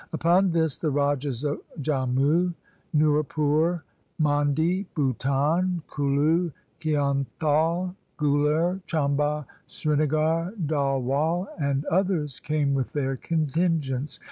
Upon this the Rajas of Jammu, Nurpur, Mandi, Bhutan, Kullu, Kionthal, Guler, Chamba, Srinagar, Dadhwal, and others came with their contingents.